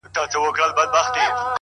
هغه د ساه کښلو لپاره جادوگري غواړي.